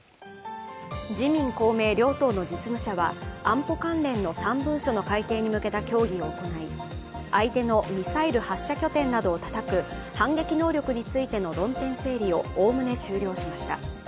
自民・公明両党の実務者は安保関連の３文書の改訂に向けた協議を行い相手のミサイル発射拠点などをたたく反撃能力などについての論点整理をおおむね終了しました。